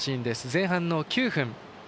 前半の９分。